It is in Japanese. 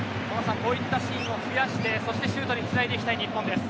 こういったシーンを増やしてシュートにつないでいきたい日本です。